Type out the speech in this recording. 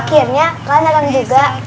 akhirnya kalian ada yang juga